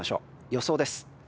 予想です。